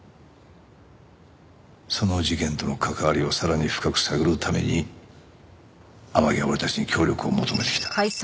その事件との関わりをさらに深く探るために天樹は俺たちに協力を求めてきた。